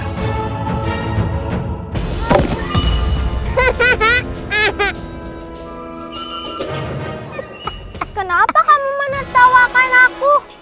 kenapa kamu menertawakan aku